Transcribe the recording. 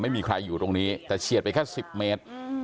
ไม่มีใครอยู่ตรงนี้แต่เฉียดไปแค่๑๐เมตร